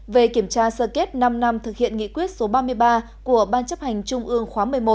về kiểm tra sơ kết năm năm thực hiện nghị quyết số ba mươi ba của ban chấp hành trung ương khóa một mươi một